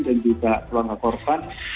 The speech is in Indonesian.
dan juga keluarga korban